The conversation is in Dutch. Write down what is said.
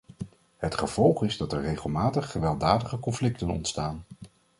Het gevolg is dat er regelmatig gewelddadige conflicten ontstaan.